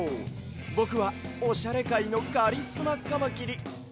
ぼくはオシャレかいのカリスマカマキリカリカマです！